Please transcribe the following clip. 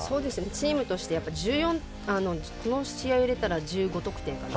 チームとして今日の試合を入れたら１５得点かな。